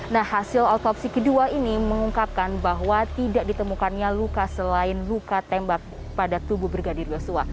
nah hasil otopsi kedua ini mengungkapkan bahwa tidak ditemukannya luka selain luka tembak pada tubuh brigadir yosua